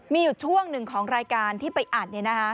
มีอยู่ช่วงหนึ่งของรายการที่ไปอัดเนี่ยนะฮะ